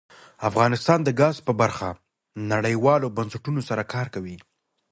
افغانستان د ګاز په برخه کې نړیوالو بنسټونو سره کار کوي.